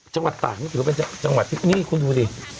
จังหวัดต่างนี่คุณดูดิ